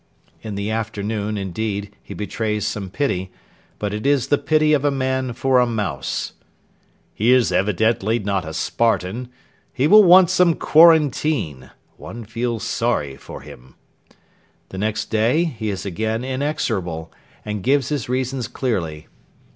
In the afternoon, indeed, he betrays some pity; but it is the pity of a man for a mouse. 'He is evidently not a Spartan... he will want some quarantine... one feels sorry for him.' The next day he is again inexorable, and gives his reasons clearly.